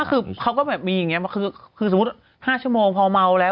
ก็คือเขาก็แบบมีอย่างนี้คือสมมุติ๕ชั่วโมงพอเมาแล้ว